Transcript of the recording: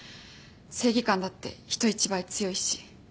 正義感だって人一倍強いし。